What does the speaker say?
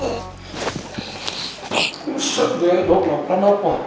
masa gue dok lopak lopak